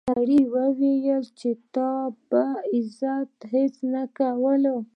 سړي وویل چې تا په عزت هیڅ نه راکول.